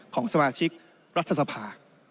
ของสมาชิกรัฐสภา